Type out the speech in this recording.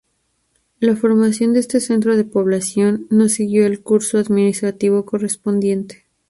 La formación de este centro de población no siguió el curso administrativo correspondiente.